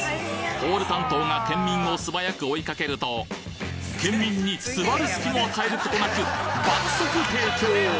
ホール担当が県民を素早く追いかけると県民に座る隙も与える事なく爆速提供！